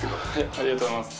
ありがとうございます。